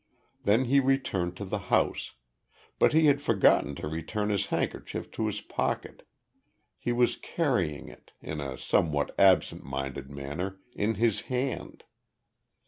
Then he returned to the house, but he had forgotten to return his handkerchief to his pocket. He was carrying it in a somewhat absent minded manner in his hand.